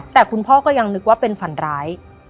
แต่คุณพ่อก็ยังนึกว่าเป็นฝันร้าย